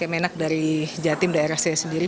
kemenak dari jatim daerah saya sendiri